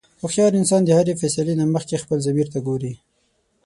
هوښیار انسان د هرې فیصلې نه مخکې خپل ضمیر ته ګوري.